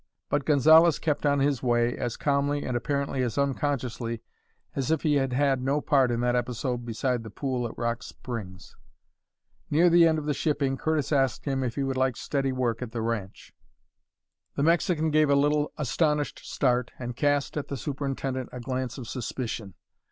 But Gonzalez kept on his way as calmly and apparently as unconsciously as if he had had no part in that episode beside the pool at Rock Springs. Near the end of the shipping Curtis asked him if he would like steady work at the ranch. The Mexican gave a little astonished start and cast at the superintendent a glance of suspicion.